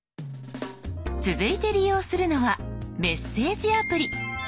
続いて利用するのはメッセージアプリ。